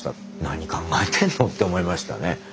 何考えてんの？って思いましたね。